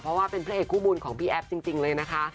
เพราะว่าเป็นพระเอกคู่บุญของพี่แอฟจริงเลยนะคะ